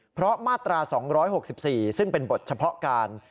เพราะมาตรา๒๖๔ซึ่งเป็นบทเฉพาะการ